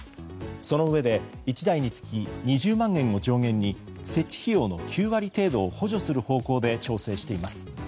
そのうえで１台につき２０万円を上限に設置費用の９割程度を補助する方向で調整しています。